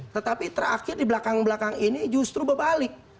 tetapi terakhir di belakang belakang ini justru berbalik